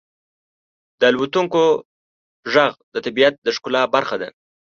• د الوتونکو ږغ د طبیعت د ښکلا برخه ده.